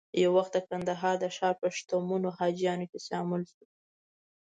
یو وخت د کندهار د ښار په شتمنو حاجیانو کې شامل شو.